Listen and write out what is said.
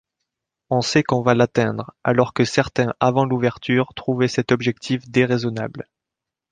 On sait qu’on va l’atteindre alors que certains avant l’ouverture trouvaient cet objectif déraisonnable.